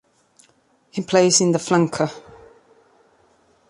He plays in the flanker.